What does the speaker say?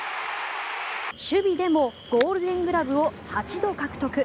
守備でもゴールデングラブを８度獲得。